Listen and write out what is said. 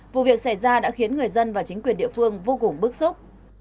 vụ việc xảy ra đã khiến người dân và chính quyền địa phương vô cùng bức xúc